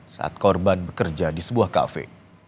saat korban bekerja di sebuah kafe